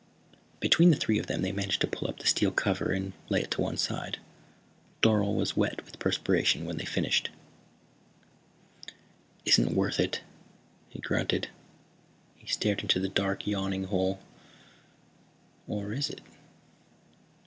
Between the three of them they managed to pull up the steel cover and lay it to one side. Dorle was wet with perspiration when they finished. "It isn't worth it," he grunted. He stared into the dark yawning hole. "Or is it?"